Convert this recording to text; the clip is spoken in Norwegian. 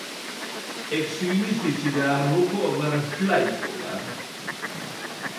Eg synes ikkje det er noko å vere flau over.